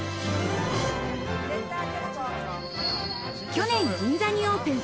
去年、銀座にオープン。